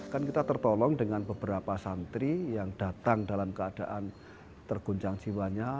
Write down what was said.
kan kita tertolong dengan beberapa santri yang datang dalam keadaan terguncang jiwanya